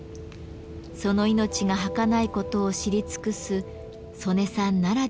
その命がはかないことを知り尽くす曽根さんならではの作品です。